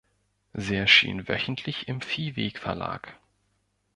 Sie erschien wöchentlich im Vieweg Verlag.